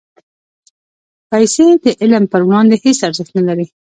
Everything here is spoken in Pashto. پېسې د علم پر وړاندې هېڅ ارزښت نه لري.